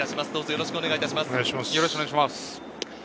よろしくお願いします。